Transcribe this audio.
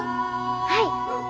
はい。